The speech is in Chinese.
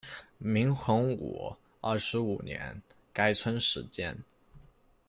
明洪武二十五年，该村始建。